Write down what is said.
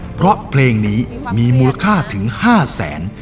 เพราะเพลงนี้มีมูลค่าถึง๕แสน